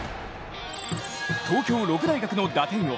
東京六大学の打点王